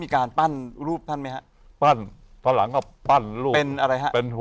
ครับนั่นนะอะ